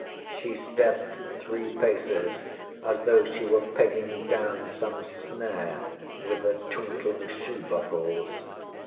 ŌĆÖ She stepped three paces as though she were pegging down some snare with her twinkling shoe buckles.